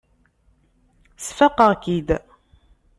Sfaqeɣ-k-id.